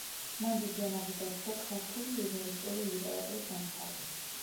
მან დიდი ამაგი დასდო ქართული იუმორისტული ლიტერატურის განვითარებას.